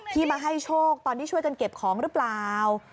ที่มาให้โชคตอนที่ช่วยกันเก็บของหรือเปล่า